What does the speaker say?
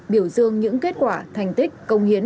biểu dương những kết quả thành tích công hiến